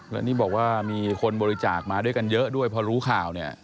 แล้วนี่บอกว่ามีคนบริจาคมาด้วยกันเยอะด้วยพอรู้ข่าวเนี่ย